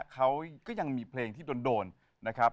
เขาก็ยังมีเพลงที่โดนนะครับ